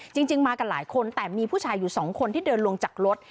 จริงมากันหลายคนแต่มีผู้ชายอยู่สองคนที่เดินลงจากรถ